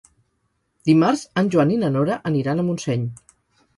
Dimarts en Joan i na Nora aniran a Montseny.